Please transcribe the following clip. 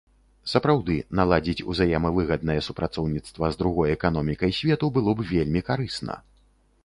Сапраўды, наладзіць узаемавыгаднае супрацоўніцтва з другой эканомікай свету было б вельмі карысна.